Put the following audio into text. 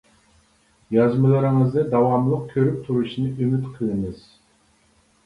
يازمىلىرىڭىزنى داۋاملىق كۆرۈپ تۇرۇشنى ئۈمىد قىلىمىز.